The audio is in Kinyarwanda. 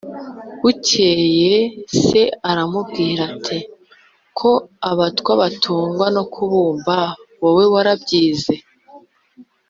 Bukeye se aramubwira ati: "Ko abatwa batungwa no kubumba wowe wabyize